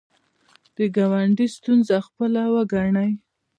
د ګاونډي ستونزه خپله وګڼئ